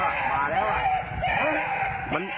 มันติดใช่ไหมนะ